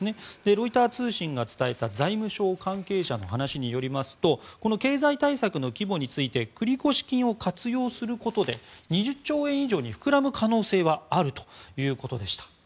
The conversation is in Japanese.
ロイター通信が伝えた財務省関係者の話で言いますとこの経済対策の規模について繰越金を活用することで２０兆円以上に膨らむ可能性はあるということでした。